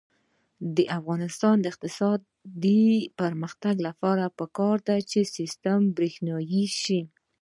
د افغانستان د اقتصادي پرمختګ لپاره پکار ده چې سیستم برښنايي شي.